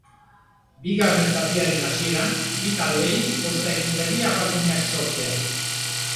Bigarren zatiaren hasieran, bi taldeei kosta egin zaie abaguneak sortzea.